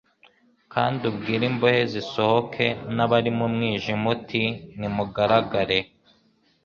kandi ubwire imbohe zisohoke, n'abari mu mwijima uti: Nimugaragare!...